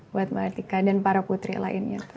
buat mbak atika dan para putri lainnya